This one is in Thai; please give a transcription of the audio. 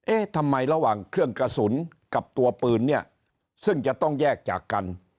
เอ๊ะทำไมระหว่างเครื่องกระสุนกับตัวปืนเนี่ยซึ่งจะต้องแยกจากกัน